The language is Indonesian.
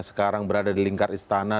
sekarang berada di lingkar istana